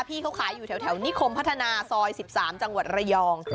พี่เขาขายอยู่แถวนิคมพัฒนาซอย๑๓จังหวัดระยอง